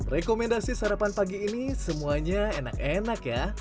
rekomendasi sarapan pagi ini semuanya enak enak ya